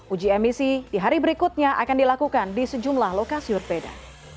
uji emisi di hari berikutnya akan dilakukan di sejumlah lokasi berbeda